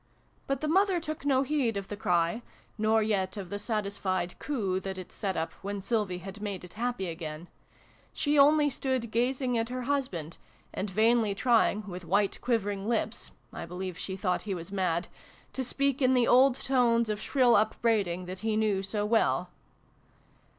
But the mother took no heed of the cry, nor yet of the satisfied ' coo ' that it set up when Sylvie had made it happy again : she only stood gazing at her husband, and vainly trying, with white vi] WILLIE'S WIFE. 87 quivering lips (I believe she thought he was mad), to speak in the old tones of shrill up braiding that he knew so well.